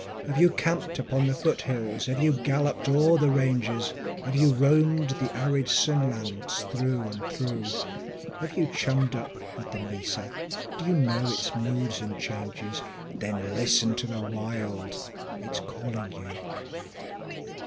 Have you camped upon the foothills, have you galloped o'er the ranges, Have you roamed the arid sun lands through and through? Have you chummed up with the mesa? Do you know its moods and changes? Then listen to the Wild it's calling you.